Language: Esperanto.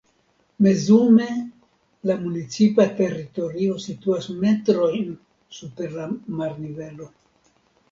Mezume la municipa teritorio situas metrojn super la marnivelo.